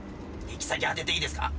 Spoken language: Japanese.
行き先当てていいですか？